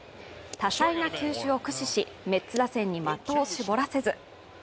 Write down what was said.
多彩な球種を駆使し、メッツ打線に的を絞らせず。